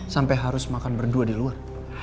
sampai harus makan berdua di luar